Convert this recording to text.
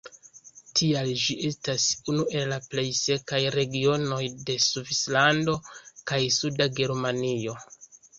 Tial ĝi estas unu el la plej sekaj regionoj de Svislando kaj suda Germanio.